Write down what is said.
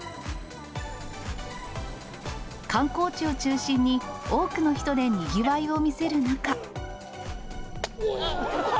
観光地を中心に、多くの人でにぎわいを見せる中。